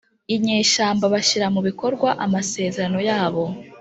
inyeshyamba bashyira mu bikorwa amasezerano yabo.